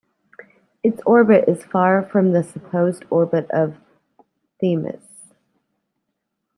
Its orbit is far from the supposed orbit of Themis.